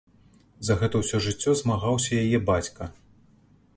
За гэта ўсё жыццё змагаўся яе бацька.